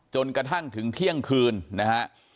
จนกระทั่งถึงเที่ยงคืนนะฮะ